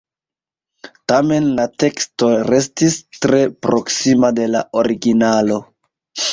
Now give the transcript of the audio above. Tamen la teksto restis tre proksima de la originalo.